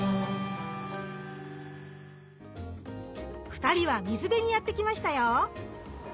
二人は水辺にやって来ましたよ！